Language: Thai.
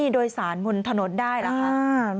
โดยสารบนถนนได้หรือคะ